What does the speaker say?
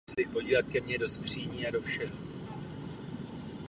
V typickém balení a skladování se ovšem vůně do několika měsíců ztrácí.